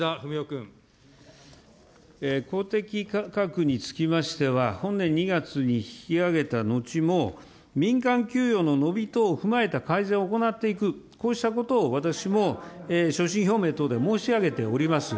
公的価格につきましては、本年２月に引き上げた後も、民間給与の伸び等踏まえた改善を行っていく、こうしたことを私も所信表明等で申し上げております。